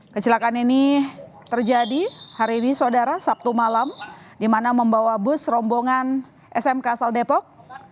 kecelakaan ini terjadi hari ini saudara sabtu malam di mana membawa bus rombongan smk asal depok